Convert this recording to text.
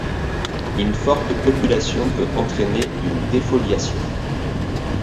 Une forte population peut entraîner une défoliation.